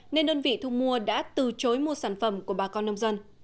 nên đơn vị thu mua đã từ chối mua sản phẩm của bà con nông dân